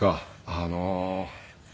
あの。